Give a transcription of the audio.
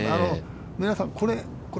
皆さん、これ？